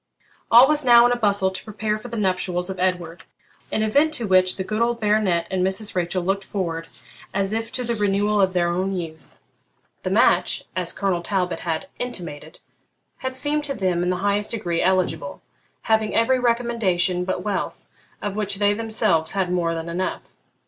All was now in a bustle to prepare for the nuptials of Edward, an event to which the good old Baronet and Mrs. Rachel looked forward as if to the renewal of their own youth. The match, as Colonel Talbot had intimated, had seemed to them in the highest degree eligible, having every recommendation but wealth, of which they themselves had more than enough.